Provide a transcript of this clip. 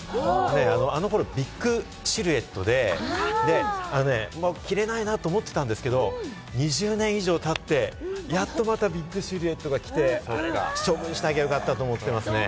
あの頃、ビッグシルエットで着れないなと思ってたんですけれども、２０年以上たって、やっとまたビッグシルエットが来て処分しなきゃよかったと思っていますね。